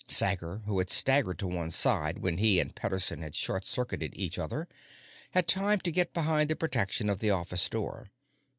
Sager, who had staggered to one side when he and Pederson had short circuited each other, had time to get behind the protection of the office door.